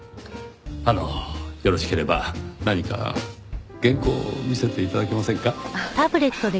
あのよろしければ何か原稿を見せて頂けませんか？